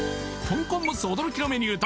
香港モス驚きのメニュー